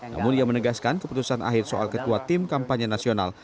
namun ia menegaskan keputusan akhir soal ketua tim kampanye nasional